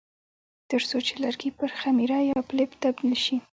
ترڅو چې لرګي پر خمیره یا پلپ تبدیل شي.